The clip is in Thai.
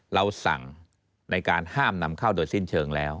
เราสั่งในการห้ามนำเข้าโดยสิ้นเชิงแล้ว